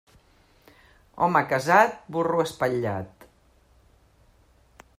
Home casat, burro espatlat.